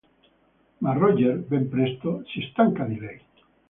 Ma Roger, ben presto, si stanca di lei.